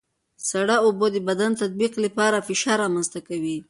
سړه اوبه د بدن د تطبیق لپاره لږ فشار رامنځته کوي.